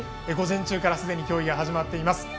午前中からすでに競技が始まっています。